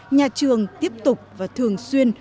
nhà trường tiếp tục và thường xuyên